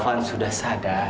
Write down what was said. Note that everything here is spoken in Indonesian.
tuhan sudah sadar